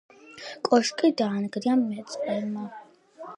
კოშკი დაანგრია მეწყერმა.